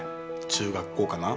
中学校かな？